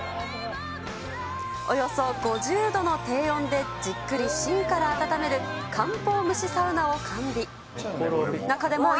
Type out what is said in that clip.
およそ５０度の低温でじっくりしんから温める漢方蒸しサウナを完備。